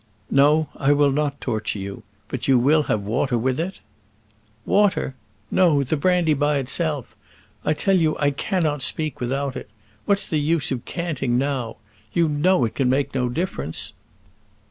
"No, I will not torture you; but you will have water with it?" "Water! No; the brandy by itself. I tell you I cannot speak without it. What's the use of canting now? You know it can make no difference."